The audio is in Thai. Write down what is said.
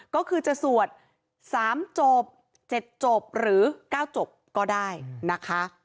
ก็คือจะสวด๓จบ๗จบหรือ๙จบก็ได้นะคะ